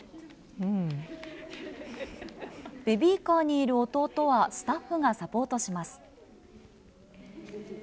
ベビーカーにいる弟はスタッフがサポートします。